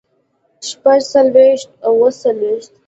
شپږ څلوېښت اووه څلوېښت